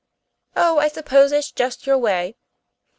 "Oh, I suppose it's just your way.